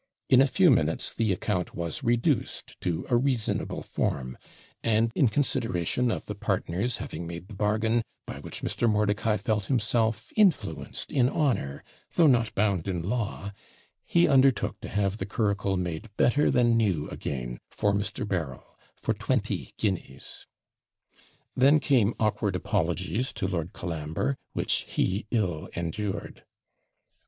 In a few minutes the account was reduced to a reasonable form, and, in consideration of the partner's having made the bargain, by which Mr. Mordicai felt himself influenced in honour, though not bound in law, he undertook to have the curricle made better than new again, for Mr. Berryl, for twenty guineas. Then came awkward apologies to Lord Colambre, which he ill endured.